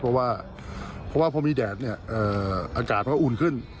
เพราะว่าเพราะว่าพอมีแดดเนี่ยอากาศก็อุ่นขึ้น